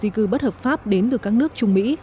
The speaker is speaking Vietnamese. di cư bất hợp pháp đến từ các nước trung mỹ